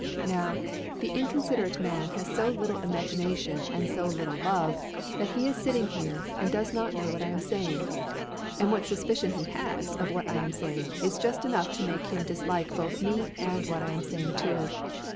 Now, the inconsiderate man has so little imagination and so little love that he is sitting here and does not know what I am saying; and what suspicion he has of what I am saying is just enough to make him dislike both me and what I am saying too.